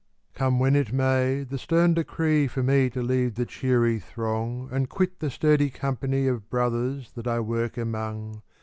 Come when it may, the stern decree For me to leave the cheery throng And quit the sturdy company Of brothers that I work among.